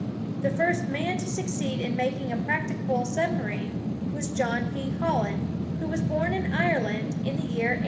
The first man to succeed in making a practicable sub marine was John P. Holland, who was born in Ireland in the year 1842.